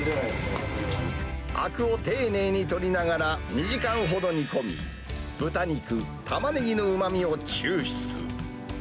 あくを丁寧に取りながら、２時間ほど煮込み、豚肉、タマネギのうまみを抽出。